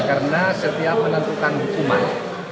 karena setiap menentukan hukuman